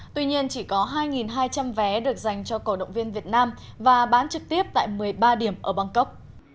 tuy nhiên chỉ có hai hai trăm linh vé được dành cho cổ động viên việt nam và bán trực tiếp tại một mươi ba điểm ở bangkok